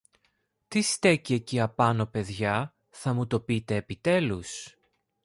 Τι στέκει εκεί απάνω, παιδιά, θα μου το πείτε επιτέλους;